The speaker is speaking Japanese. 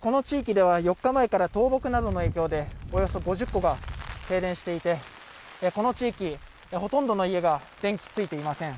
この地域では４日前から倒木などの影響でおよそ５０戸が停電していて、この地域、ほとんどの家が電気、ついていません。